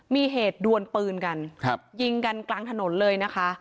มีเหตุดวนปืนกันยิงกันกลางถนนเลยนะคะ